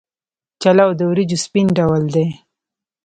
چلو د وریجو سپین ډول دی.